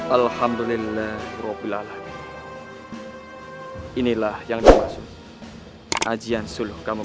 alhamdulillahirobbilalamin inilah yang dimaksud ajian suluh kamu